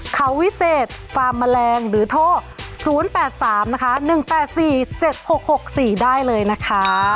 เขาวิเศษฟาร์มแมลงหรือท่อ๐๘๓นะคะ๑๘๔๗๖๖๔ได้เลยนะคะ